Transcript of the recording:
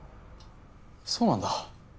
そうなんだ。